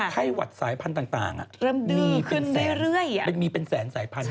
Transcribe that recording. ไข้หวัดสายพันธุ์ต่างเริ่มดีขึ้นเรื่อยมันมีเป็นแสนสายพันธุ